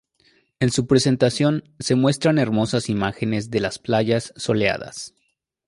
En su presentación, se muestran hermosas imágenes de las playas soleadas.